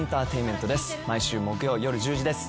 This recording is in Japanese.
毎週木曜夜１０時です